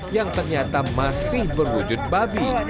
yang ternyata masih berwujud babi